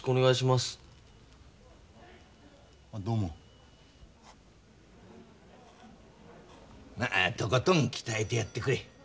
まあとことん鍛えてやってくれ。